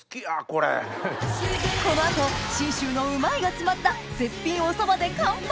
この後信州のうまいが詰まった絶品お蕎麦で乾杯！